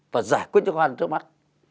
và giải quyết cho khó khăn trước mắt